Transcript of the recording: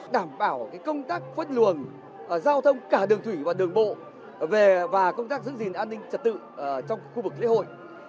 đảm bảo công tác khuất luồng giao thông cả đường thủy và đường bộ và công tác giữ gìn an ninh trật tự trong khu vực lễ hội